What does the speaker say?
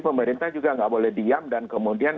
pemerintah juga nggak boleh diam dan kemudian